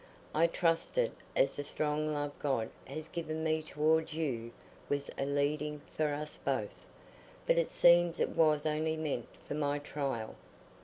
I trusted as the strong love God has given me towards you was a leading for us both; but it seems it was only meant for my trial.